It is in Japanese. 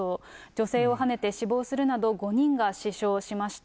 女性をはねて死亡するなど５人が死傷しました。